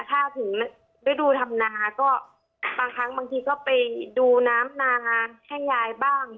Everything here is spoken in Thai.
ถ้าถึงฤดูธรรมนาก็บางครั้งบางทีก็ไปดูน้ำนาให้ยายบ้าง